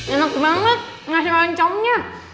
enak banget enak secocoknya